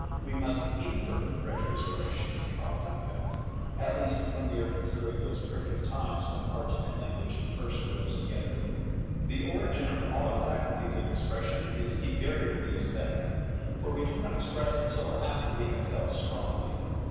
We must invert Grétry's relation of cause and effect; at least when we are considering those primitive times, when Art and Language first arose together. The origin of all our faculties of expression is invariably esthetic; for we do not express till after we have felt strongly.